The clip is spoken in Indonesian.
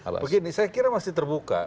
begini saya kira masih terbuka